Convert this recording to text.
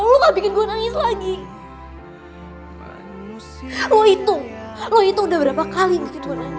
gue gak pernah nangis kayak gini man